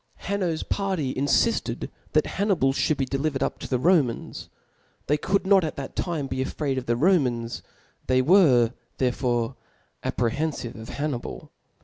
Hanno's party infifted that Hapnii}^ (hould be delivered up to the Romans ^. They could not at that time )>c |fraid of the Romans^ the/ were therefore apprehenfive of Hannibal.